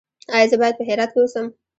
ایا زه باید په هرات کې اوسم؟